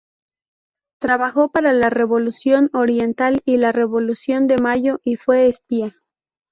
Trabajó para la Revolución oriental y la Revolución de Mayo y fue espía.